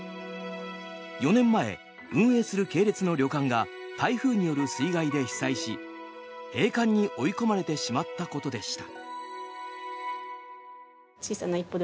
４年前、運営する系列の旅館が台風による水害で被災し閉館に追い込まれてしまったことでした。